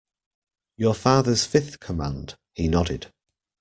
Your father's fifth command, he nodded.